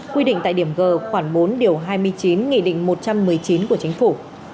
quy định tại điểm g khoảng bốn hai mươi chín một trăm một mươi chín của chính phủ